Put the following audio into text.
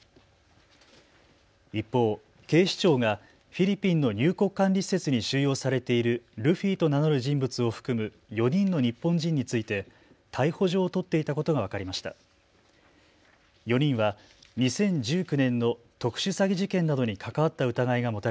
一方、警視庁がフィリピンの入国管理施設に収容されているルフィと名乗る人物を含む４人の日本人について逮捕状を取っていたことが分かりました。